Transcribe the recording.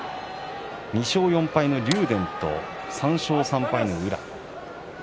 ２勝４敗の竜電と３勝３敗の宇良。